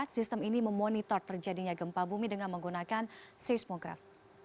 sistem ini memonitor terjadinya gempa bumi dengan menggunakan seismograf